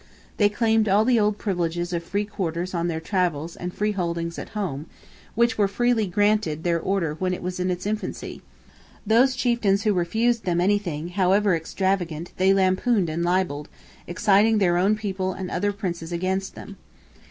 They claimed all the old privileges of free quarters on their travels and freeholdings at home, which were freely granted to their order when it was in its infancy. Those chieftains who refused them anything, however extravagant, they lampooned and libelled, exciting their own people and other princes against them.